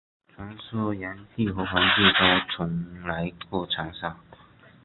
传说炎帝和黄帝都曾来过长沙。